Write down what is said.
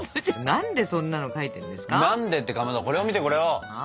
何でってかまどこれを見てこれを！